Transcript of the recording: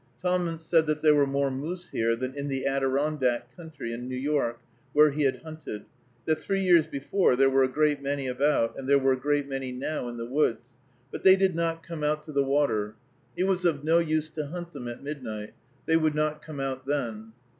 Tahmunt said that there were more moose here than in the Adirondack country in New York, where he had hunted; that three years before there were a great many about, and there were a great many now in the woods, but they did not come out to the water. It was of no use to hunt them at midnight, they would not come out then.